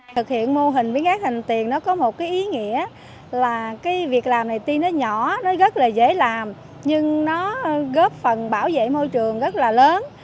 thực hiện mô hình biến rác thành tiền có một ý nghĩa là việc làm này tuy nhỏ rất dễ làm nhưng góp phần bảo vệ môi trường rất lớn